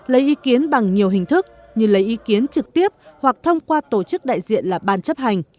lấy ý kiến bằng nhiều hình thức như lấy ý kiến trực tiếp hoặc thông qua tổ chức đại diện là ban chấp hành